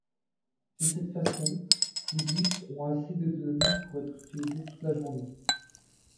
De cette façon, ces bus ont assez d'autonomie pour être utilisés toute la journée.